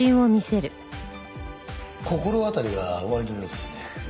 心当たりがおありのようですね。